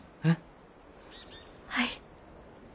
はい。